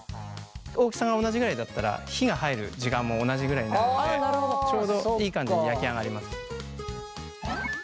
大きさが同じぐらいだったら火が入る時間も同じぐらいになるのでちょうどいい感じに焼き上がります。